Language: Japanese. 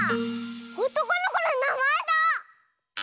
おとこのこのなまえだ！